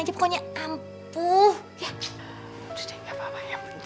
ini sebuah buah alat